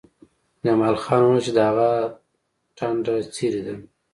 جمال خان وویل چې د هغه ټنډه څیرې ده